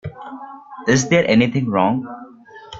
Is there anything wrong?